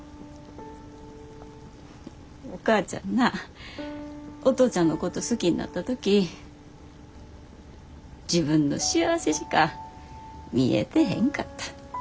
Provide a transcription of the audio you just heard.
お母ちゃんなお父ちゃんのこと好きになった時自分の幸せしか見えてへんかった。